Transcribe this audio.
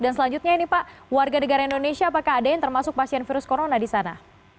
dan selanjutnya ini pak warga negara indonesia apakah ada yang termasuk pasien virus corona di sana